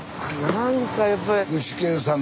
なんかやっぱり。